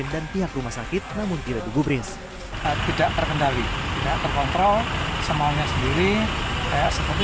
dan pihak rumah sakit namun tidak gugup riz tidak terkendali tidak terkontrol semuanya sendiri seperti